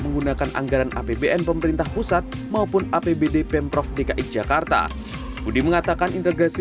menggunakan anggaran apbn pemerintah pusat maupun apbd pemprov dki jakarta budi mengatakan integrasi